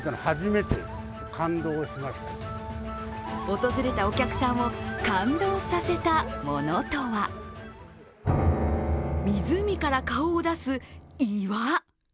訪れたお客さんを感動させたものとは湖から顔を出す岩。